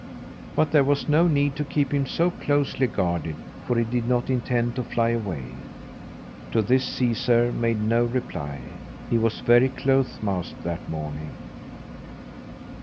But there was no need to keep him so closely guarded, for he did not intend to fly away. To this Caesar made no reply. He was very close mouthed that morning.